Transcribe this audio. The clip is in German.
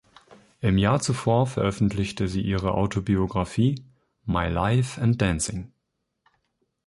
Im Jahr zuvor veröffentlichte sie ihre Autobiographie "My Life and Dancing".